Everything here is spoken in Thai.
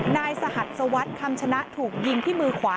นายศาสทวัศติคำชนะถูกยิงที่มือขวา๑นัท